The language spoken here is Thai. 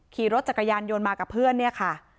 ขี่รถจักรยานยนต์มากับเพื่อนเนี่ยค่ะ